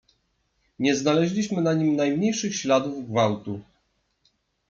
"Nie znaleźliśmy na nim najmniejszych śladów gwałtu."